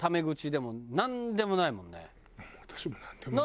私もなんでもない。